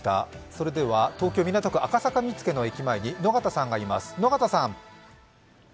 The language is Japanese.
それでは、東京・港区赤坂見附駅前に野方さんがいます。